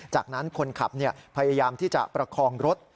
จากนั้นคนขับพยายามที่จะประคองรถ